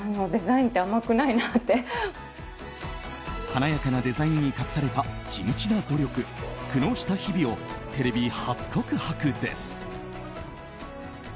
華やかなデザインに隠された地道な努力苦悩した日々をテレビ初告白です。